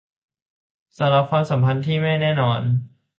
สำหรับความสัมพันธ์ที่ไม่แน่นอน